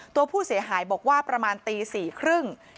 ตัวผู้เสียหายบอกว่าประมาณตี๔๓๐